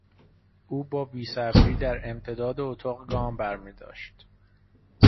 او با بیصبری در امتداد اتاق گام برمیداشت.